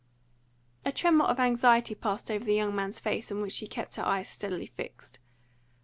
A tremor of anxiety passed over the young man's face, on which she kept her eyes steadily fixed.